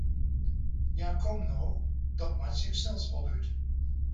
Ja, kom no, dat meitsje ik sels wol út!